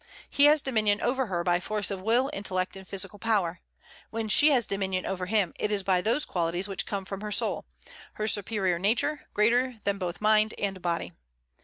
He has dominion over her by force of will, intellect, and physical power. When she has dominion over him, it is by those qualities which come from her soul, her superior nature, greater than both mind and body.